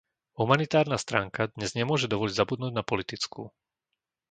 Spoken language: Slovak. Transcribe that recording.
Humanitárna stránka dnes nemôže dovoliť zabudnúť na politickú.